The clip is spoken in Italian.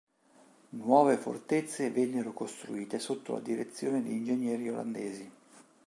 Nuove fortezze vennero costruite sotto la direzione di ingegneri olandesi.